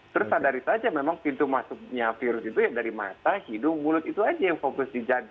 terus sadari saja memang pintu masuknya virus itu ya dari mata hidung mulut itu aja yang fokus di jagad